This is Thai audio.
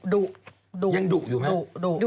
ดุดุยังดุอยู่ไหม